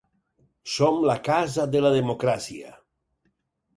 Som la casa de la democràcia.